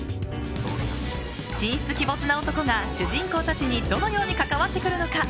神出鬼没な男が、主人公たちにどのように関わってくるのか。